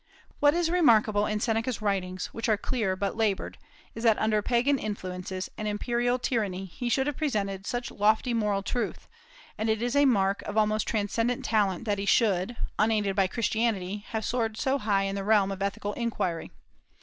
What is remarkable in Seneca's writings, which are clear but labored, is that under Pagan influences and imperial tyranny he should have presented such lofty moral truth; and it is a mark of almost transcendent talent that he should, unaided by Christianity, have soared so high in the realm of ethical inquiry.